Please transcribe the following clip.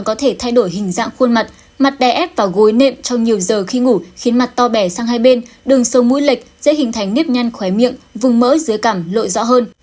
khiến mặt to bẻ sang hai bên đường sâu mũi lệch sẽ hình thành nếp nhăn khoái miệng vùng mỡ dưới cằm lội rõ hơn